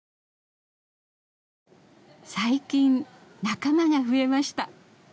最近仲間が増えました。